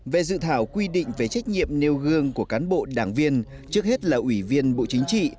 về dự thảo quy định về trách nhiệm nêu gương của cán bộ đảng viên trước hết là ủy viên bộ chính trị